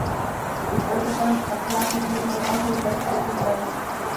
د اوبو ساتنه د اخلاقو، دین او عقل ګډ حکم دی.